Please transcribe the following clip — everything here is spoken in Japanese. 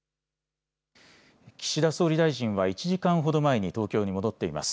岸田総理大臣は１時間ほど前に東京に戻っています。